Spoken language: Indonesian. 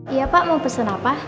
iya pak mau pesen apa